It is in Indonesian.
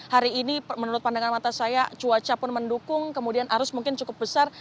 hari ini menurut pandangan mata saya cuaca pun mendukung kemudian arus mungkin cukup besar